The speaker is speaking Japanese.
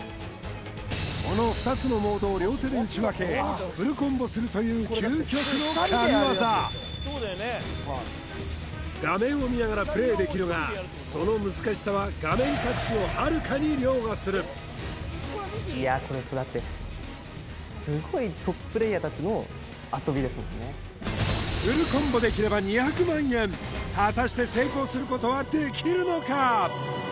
この２つのモードを両手で打ち分けフルコンボするという究極の神業画面を見ながらプレイできるがその難しさは画面隠しをはるかに凌駕するいやこれさだってすごいトッププレイヤー達の遊びですもんねフルコンボできれば２００万円果たして成功することはできるのか？